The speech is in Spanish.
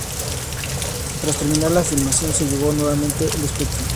Tras terminar la filmación, se llevó nuevamente al Spectrum.